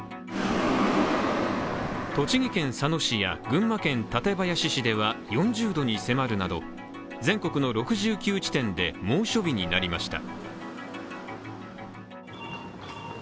栃木県佐野市や、群馬県館林市では４０度に迫るなど全国の６９地点で猛暑日になりました。